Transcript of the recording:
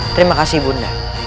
terima kasih bunda